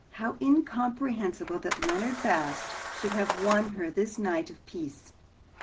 How incomprehensible that Leonard Bast should have won her this night of peace!